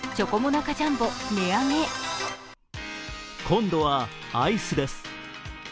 今度はアイスです。